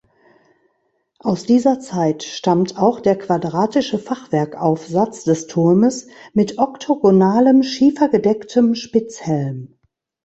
Aus dieser Zeit stammt auch der quadratische Fachwerkaufsatz des Turmes mit oktogonalem schiefergedecktem Spitzhelm.